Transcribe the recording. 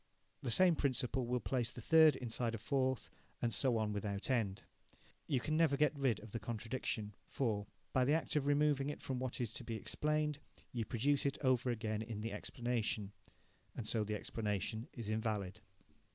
The same principle will place the third inside a fourth, and so on without end. You can never get rid of the contradiction, for, by the act of removing it from what is to be explained, you produce it over again in the explanation. And so the explanation is invalid.